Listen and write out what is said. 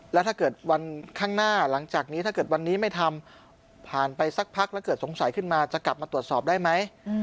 แล้วถ้าเกิดวันข้างหน้าหลังจากนี้ถ้าเกิดวันนี้ไม่ทำผ่านไปสักพักแล้วเกิดสงสัยขึ้นมาจะกลับมาตรวจสอบได้ไหม